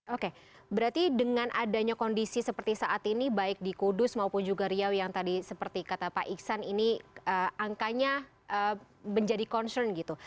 oke berarti dengan adanya kondisi seperti saat ini baik di kudus maupun juga riau yang tadi seperti kata pak iksan ini angkanya menjadi concern gitu